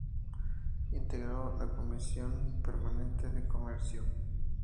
Integró la Comisión Permanente de Comercio.